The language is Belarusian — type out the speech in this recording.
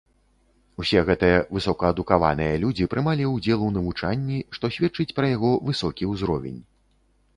Усе гэтыя высокаадукаваныя людзі прымалі ўдзел у навучанні, што сведчыць пра яго высокі ўзровень.